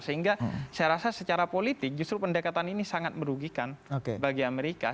sehingga saya rasa secara politik justru pendekatan ini sangat merugikan bagi amerika